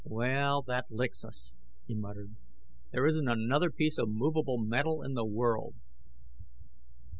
"Well, that licks us," he muttered. "There isn't another piece of movable metal in the world."